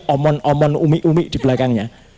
omon omon umi umi di belakangnya